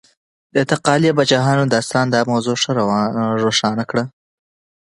د تقالي پاچاهۍ داستان دا موضوع ښه روښانه کوي.